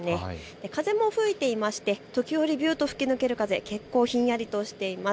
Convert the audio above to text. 風も吹いていまして時折ビューっと吹き抜ける風で結構ひんやりとしています。